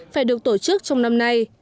phải được tổ chức trong năm hai nghìn hai mươi